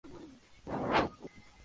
El crimen quedó pues impune.